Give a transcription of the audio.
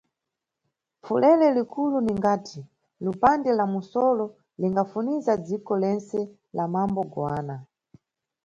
Pfulele likulu ningati lupande la mu msolo lingafuniza dziko lentse la mambo Goana.